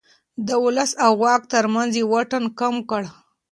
د ولس او واک ترمنځ يې واټن کم کړ.